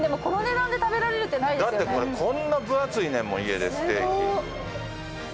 だってこれこんな分厚いねん家でステーキ。